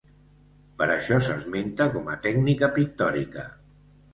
Per això s'esmenta com a tècnica pictòrica.